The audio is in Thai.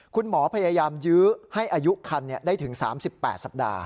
คุณหมอพยายามยื้อให้อายุคันได้ถึง๓๘สัปดาห